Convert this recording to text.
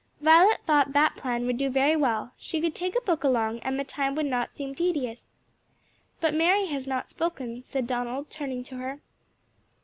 Violet thought that plan would do very well; she could take a book along, and the time would not seem tedious. "But Mary has not spoken," said Donald, turning to her.